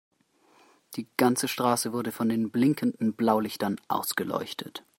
Die ganze Straße wurde von den blinkenden Blaulichtern ausgeleuchtet.